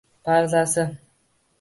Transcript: Pardasi!